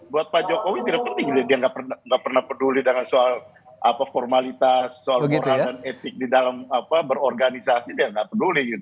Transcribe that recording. buat pak jokowi tidak penting dia nggak pernah peduli dengan soal formalitas soal moral dan etik di dalam berorganisasi dia nggak peduli